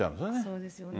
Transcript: そうですね。